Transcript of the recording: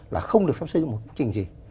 là không được phát huy được một chương trình gì